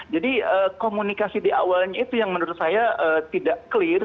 jadi komunikasi di awalnya itu yang menurut saya tidak clear